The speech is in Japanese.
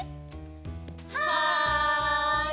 はい！